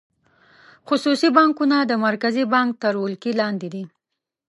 خصوصي بانکونه د مرکزي بانک تر ولکې لاندې دي.